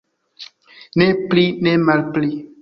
Ne pli, ne malpli.